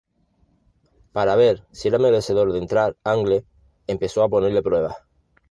Para ver si era merecedor de entrar, Angle empezó a ponerle pruebas.